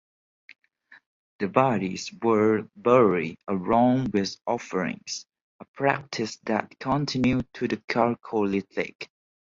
The bodies were buried along with offerings, a practice that continued to the Chalcolithic.